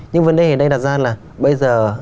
nhưng vấn đề ở đây đặt ra là bây giờ